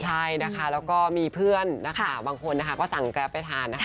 ใช่นะคะแล้วก็มีเพื่อนบางคนก็สั่งแกไปทาน